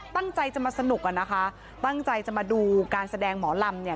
ตั้งใจจะมาสนุกอ่ะนะคะตั้งใจจะมาดูการแสดงหมอลำเนี่ย